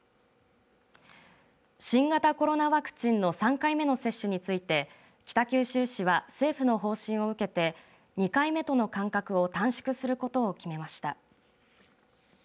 新型コロナワクチンの３回目の接種について北九州市は政府の方針を受けて２回目との間隔を短縮することを決めました。